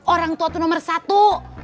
orang tua tuh nomer satu